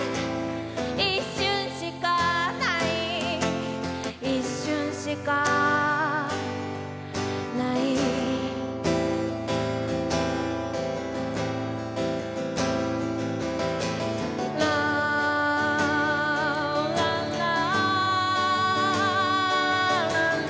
「一瞬しかない一瞬しかない」「ラララ」